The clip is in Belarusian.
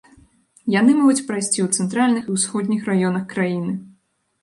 Яны могуць прайсці ў цэнтральных і ўсходніх раёнах краіны.